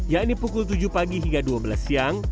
yakni pukul tujuh pagi hingga dua belas siang